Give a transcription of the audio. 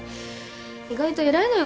意外と偉いのよ